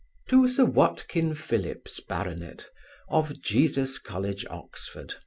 To Sir WATKIN PHILLIPS, Bart. of Jesus college, Oxon.